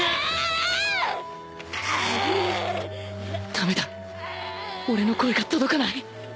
駄目だ俺の声が届かない